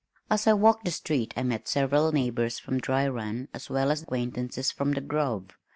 As I walked the street I met several neighbors from Dry Run as well as acquaintances from the Grove.